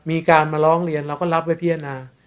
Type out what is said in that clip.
มีการมาร้องเรียนเราก็รับไว้พิจารณา